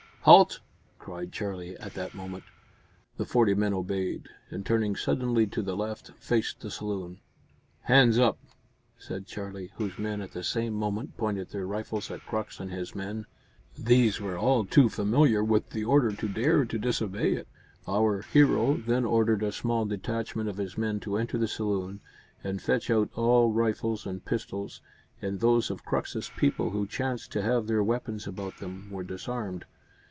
"Halt!" cried Charlie, at that moment. The forty men obeyed, and, turning suddenly to the left, faced the saloon. "Hands up!" said Charlie, whose men at the same moment pointed their rifles at Crux and his men. These were all too familiar with the order to dare to disobey it. Our hero then ordered a small detachment of his men to enter the saloon and fetch out all rifles and pistols, and those of Crux's people who chanced to have their weapons about them, were disarmed.